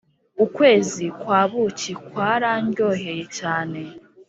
ukwezi kwa buki kwara ndyoheye cyane